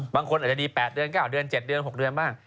บางคนอาจจะดี๘เดือน๙เดือน๗เดือน๖เดือนบ้าง